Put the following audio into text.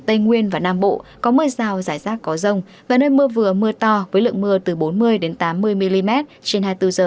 tây nguyên và nam bộ có mưa rào rải rác có rông và nơi mưa vừa mưa to với lượng mưa từ bốn mươi tám mươi mm trên hai mươi bốn h